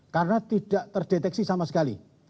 karena tidak terdeteksi sama sekali